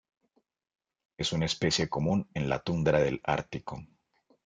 Es una especie común en la tundra del Ártico.